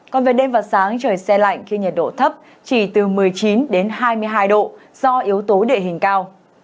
còn về đêm và sáng trời xe lạnh khi nhiệt độ thấp chỉ từ một mươi chín đến hai mươi hai độ do yếu tố địa hình cao